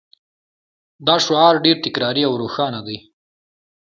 دا شعار ډیر تکراري او روښانه دی